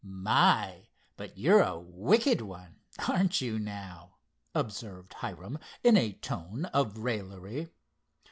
"My! but you're a wicked one, aren't you now?" observed Hiram in a tone of raillery.